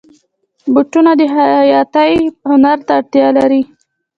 بوټونه د خیاطۍ هنر ته اړتیا لري.